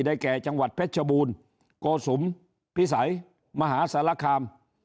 แก่จังหวัดเพชรชบูรณ์โกสุมพิสัยมหาสารคาม